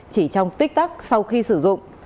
chỉ trong tích tắc sau khi sử dụng